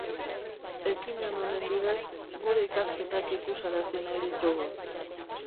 Ekimen honen bidez, gure ikasketak ikusarazi nahi ditugu.